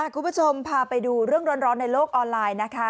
คุณผู้ชมพาไปดูเรื่องร้อนในโลกออนไลน์นะคะ